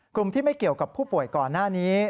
กลุ่มที่ไม่เกี่ยวกับผู้ป่วยก่อนหน้านี้